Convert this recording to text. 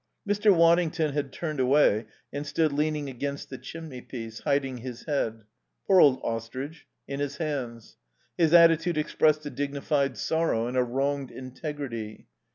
Mr. Waddington had turned away and stood leaning against the chimneypiece, hiding his head ("Poor old ostrich!") in his hands. His attitude expressed a dignified sorrow and a wronged integrity.